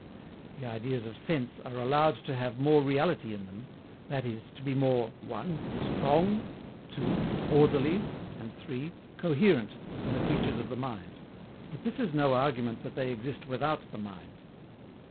The ideas of Sense are allowed to have more reality in them, that is, to be more (1)STRONG, (2)ORDERLY, and (3)COHERENT than the creatures of the mind; but this is no argument that they exist without the mind.